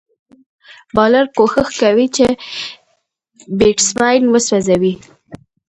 بالر کوښښ کوي، چي بېټسمېن وسوځوي.